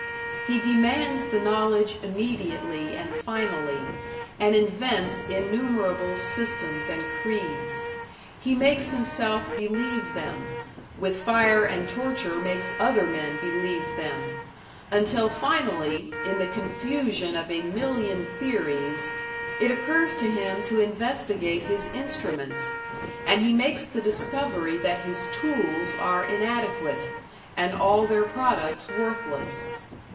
He demands the knowledge immediately and finally, and invents innumerable systems and creeds. He makes himself believe them, with fire and torture makes other men believe them; until finally, in the confusion of a million theories, it occurs to him to investigate his instruments, and he makes the discovery that his tools are inadequate, and all their products worthless.